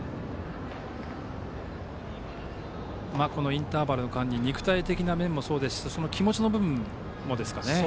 インターバルの間に肉体的な面もそうですし気持ちの部分もですかね。